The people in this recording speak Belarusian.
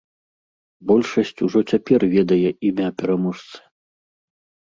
Большасць ужо цяпер ведае імя пераможцы.